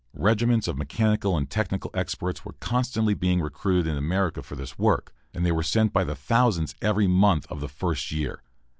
Regiments of mechanical and technical experts were constantly being recruited in America for this work, and they were sent by the thousands every month of the first year.